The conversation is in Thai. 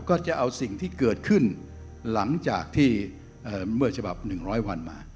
ก็จะเอาสิ่งที่เกิดขึ้นหลังจากที่เมื่อฉบับ๑๐๐วันมา